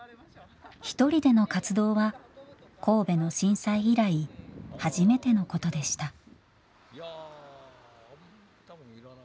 一人での活動は神戸の震災以来初めてのことでした。